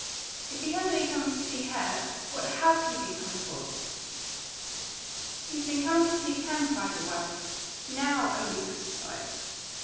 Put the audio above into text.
"If he hasn't been coming to see her, what HAS he been coming for?" "He's been coming to see Pen!" cried the wife. "NOW are you satisfied?"